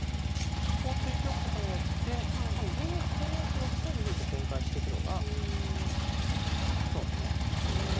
ここを突いておくことによって銀をこうやって６三銀と展開してくのが今日のねポイントです。